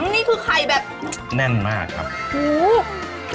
นี่คือไข่แบบแน่นมากครับหู